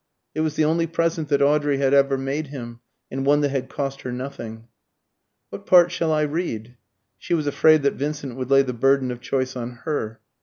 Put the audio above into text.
It was the only present that Audrey had ever made him, and one that had cost her nothing. "What part shall I read?" She was afraid that Vincent would lay the burden of choice on her.